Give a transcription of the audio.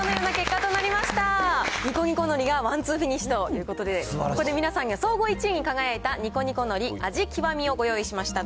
ニコニコのりがワンツーフィニッシュということで、ここで皆さんには、総合１位に輝いたニコニコのり、味極をご用意しました。